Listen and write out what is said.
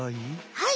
はい！